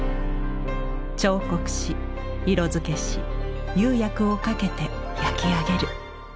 彫刻し色づけし釉薬をかけて焼き上げる。